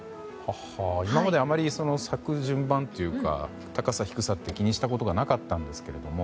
今まであまり咲く順番というか高さ、低さって気にしたことがなかったんですけれども。